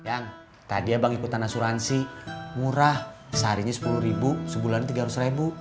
yang tadi abang ikutan asuransi murah seharinya sepuluh ribu sebulan tiga ratus ribu